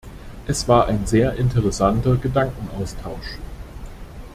Es war ein sehr interessanter Gedankenaustausch.